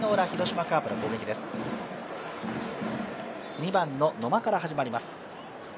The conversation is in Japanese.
２番の野間から始まります。